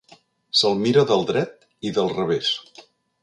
Se'l mira del dret i del revés.